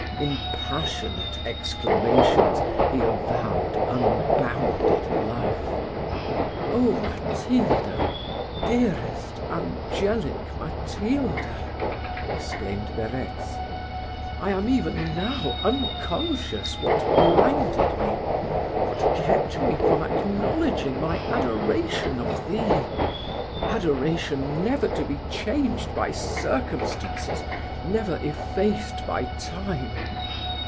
In passionate exclamations he avowed unbounded love. "Oh, Matilda! dearest, angelic Matilda!" exclaimed Verezzi, "I am even now unconscious what blinded me what kept me from acknowledging my adoration of thee! adoration never to be changed by circumstances never effaced by time."